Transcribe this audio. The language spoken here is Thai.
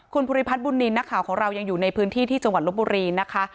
คุณภูริพัฒนบุญนินทร์นักข่าวของเรายังอยู่ในพื้นที่ที่จังหวัดลบบุรีนะคะ